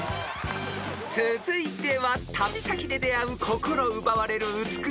［続いては旅先で出合う心奪われる美しい風景の数々］